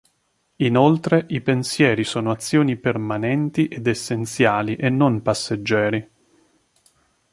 Inoltre i pensieri sono azioni permanenti ed essenziali e non passeggeri.